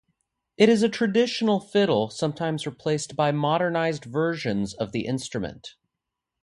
It is a traditional fiddle, sometimes replaced by modernized versions of the instrument.